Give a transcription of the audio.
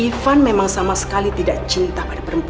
ivan memang sama sekali tidak cinta dengan aku